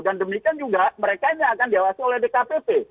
dan demikian juga mereka ini akan diawasi oleh dkpp